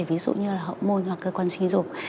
ví dụ như là họ môn hoặc cơ quan sinh dục